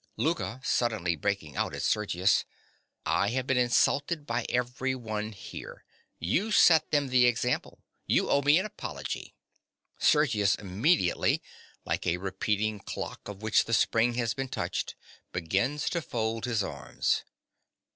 LOUKA. (suddenly breaking out at Sergius). I have been insulted by everyone here. You set them the example. You owe me an apology. (_Sergius immediately, like a repeating clock of which the spring has been touched, begins to fold his arms.